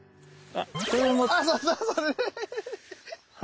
あっそうそうそれ。